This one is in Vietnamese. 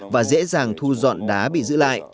và dễ dàng thu dọn đá bị giữ lại